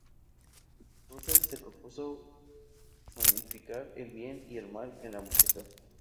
Russell se propuso personificar el bien y el mal en la música.